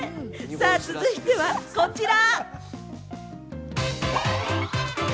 続いては、こちら。